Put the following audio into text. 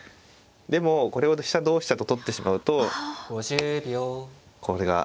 でもこれを同飛車と取ってしまうとこれが。